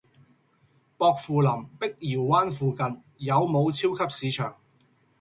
薄扶林碧瑤灣附近有無超級市場？